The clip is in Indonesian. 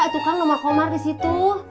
itu kan nomor komar di situ